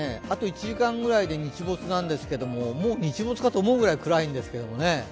あと１時間ぐらいで日没なんですけれどももう日没かと思うくらい暗いんですけどね。